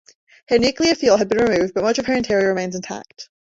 Her nuclear fuel has been removed but much of her interior remains intact.